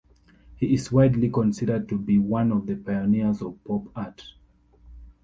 He is widely considered to be one of the pioneers of pop art.